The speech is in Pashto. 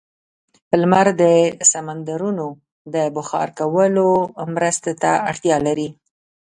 لمر د سمندرونو د بخار کولو لپاره مرستې ته اړتیا لري.